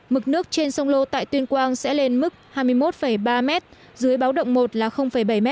mực nước trên sông lô tại tuyên quang sẽ lên mức hai mươi một ba m dưới báo động một là bảy m